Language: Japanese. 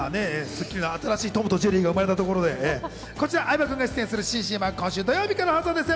『スッキリ』の新しいトムとジェリーが生まれたところでこちら相葉君が出演する新ＣＭは今週土曜日から放送です。